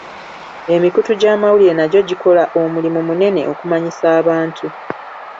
Emikutu gy'amawulire nagyo gikola omulimu munene okumanyisa abantu.